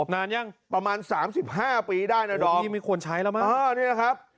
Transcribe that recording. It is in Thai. นานยังประมาณ๓๕ปีได้นะนี่มีคนใช้แล้วมากโอ้นี่แหละครับ